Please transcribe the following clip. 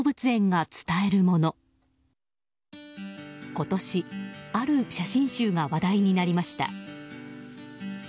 今年、ある写真集が話題になりました。